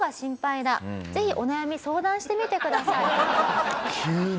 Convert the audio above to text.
ぜひお悩み相談してみてください。